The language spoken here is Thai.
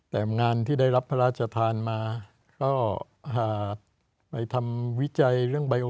แต่งานที่ได้รับพระราชทานมาก็ไปทำวิจัยเรื่องใบโอ